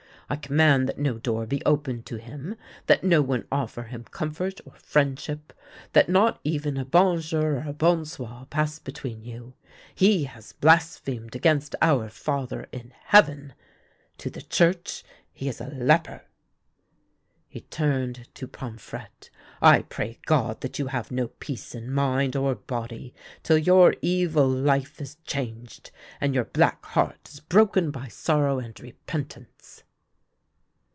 I command that no door be opened to him ; that no one ofifer him comfort or friendship ; that not even a honjour or a bonsoir pass between you. He has blasphemed against our Father in heaven ; to the Church he is a leper." He turned to Pomfrette. " I pray God that you have no peace in mind or body till your evil life is changed, and your black heart is broken by sorrow and repentance."